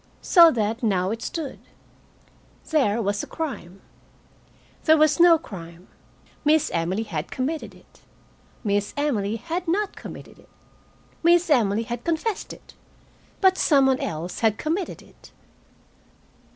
So that now it stood: there was a crime. There was no crime. Miss Emily had committed it. Miss Emily had not committed it. Miss Emily had confessed it, but some one else had committed it.